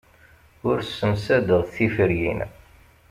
Ur ssemsadeɣ tiferyin.